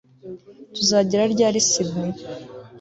Tuzagera ryari i Sydney